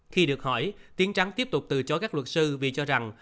khi được hỏi tiến trắng tiếp tục từ chối các luật sư vì cho rằng